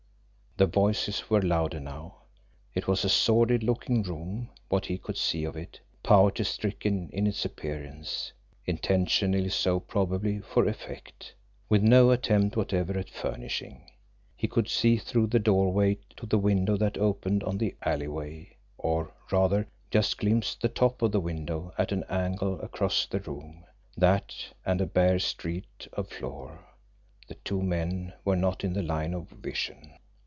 The voices were louder now. It was a sordid looking room, what he could see of it, poverty stricken in its appearance, intentionally so probably for effect, with no attempt whatever at furnishing. He could see through the doorway to the window that opened on the alleyway, or, rather, just glimpse the top of the window at an angle across the room that and a bare stretch of floor. The two men were not in the line of vision.